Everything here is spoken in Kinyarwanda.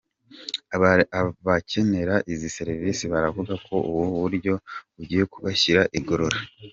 Abakenera izi serivisi baravuga ko ubu buryo bugiye kubashyira igorora.